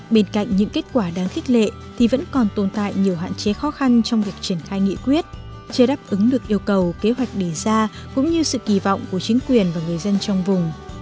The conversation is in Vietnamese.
bên cạnh những kết quả đáng khích lệ thì vẫn còn tồn tại nhiều hạn chế khó khăn trong việc triển khai nghị quyết chưa đáp ứng được yêu cầu kế hoạch đề ra cũng như sự kỳ vọng của chính quyền và người dân trong vùng